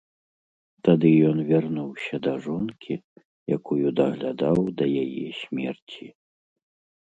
Тады ён вярнуўся да жонкі, якую даглядаў да яе смерці.